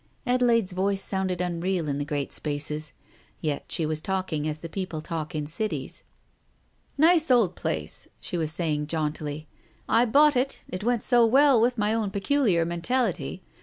Adelaide's voice sounded unreal in the great spaces. ... Yet she was talking as people talk in cities. " Nice old place !" she was saying jauntily. " I bought it, it went so well with my own peculiar mentality.